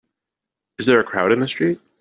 Is there a crowd in the street?